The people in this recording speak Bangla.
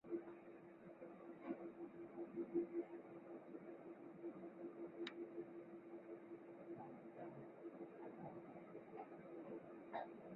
এই সেতুটি ঊনবিংশ শতকের শেষের দিকে বা বিংশ শতকের প্রথম দিকে নির্মিত হয়েছিল।